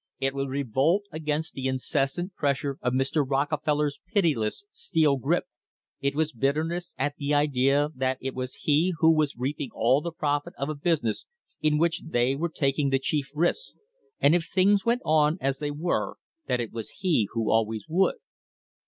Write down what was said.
It was revolt against the incessant pressure of Mr. Rockefeller's pitiless steel grip. It was bitterness at the idea that it was he who was reaping all the profit of a business in which they were taking the THE STANDARD OIL COMPANY AND POLITICS chief risks, and if things went on as they were that it was he who always would.